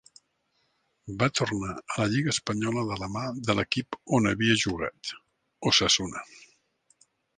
Va tornar a la lliga espanyola de la mà de l'equip on havia jugat, Osasuna.